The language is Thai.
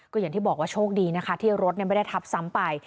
ก็อย่างที่บอกว่าโชคดีนะคะที่รถไม่ได้ทับซ้ำไป